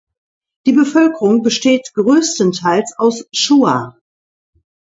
Die Bevölkerung besteht größtenteils aus Shuar.